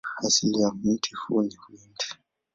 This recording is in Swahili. Asili ya mti huu ni Uhindi.